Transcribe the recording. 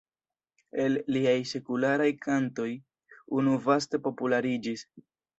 El liaj sekularaj kantoj unu vaste populariĝis.